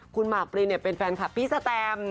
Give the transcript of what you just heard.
คุณมาร์คปรีนเนี่ยเป็นแฟนคลับพี่แสตม์